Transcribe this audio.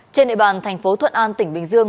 trên địa bàn thành phố thuận an tỉnh bình dương